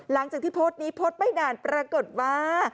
หลังจากที่โพสต์นี้โพสต์ไม่นานปรากฏว่า